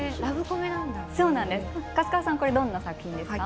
粕川さん、これはどんな作品ですか？